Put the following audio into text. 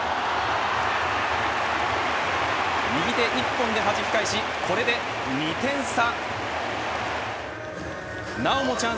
右手１本ではじき返しこれで２点差。